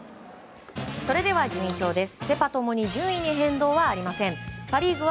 それでは順位表です。